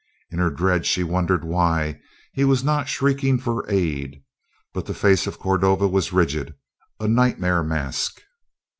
In her dread she wondered why he was not shrieking for aid, but the face of Cordova was rigid a nightmare mask!